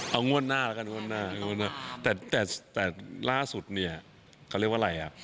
เอางวดหน้าละกันงวดหน้าแต่ล่าสุดเนี่ยเขาเรียกว่าอะไรอ่ะ